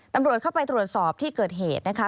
ตำรวจเข้าไปตรวจสอบที่เกิดเหตุนะคะ